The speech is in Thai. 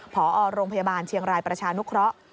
พอโรงพยาบาลเชียงรายประชานุเคราะห์